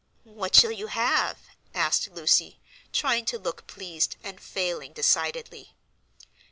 "What shall you have?" asked Lucy, trying to look pleased, and failing decidedly.